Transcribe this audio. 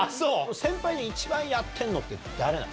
先輩で一番やってるのって誰なの？